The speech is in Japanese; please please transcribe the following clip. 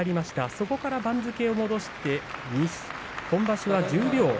そこから番付を戻して今場所は十両。